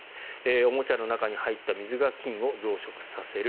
おもちゃの中に入った水が菌を増殖させる。